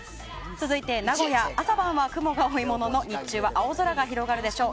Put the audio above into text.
続いて名古屋朝晩は、雲が多いものの日中は青空が広がるでしょう。